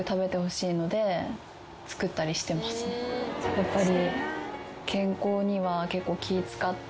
やっぱり。